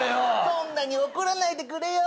「そんなに怒らないでくれよ」